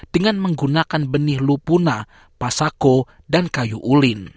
dengan menggunakan benih lupuna pasako dan kayu ulin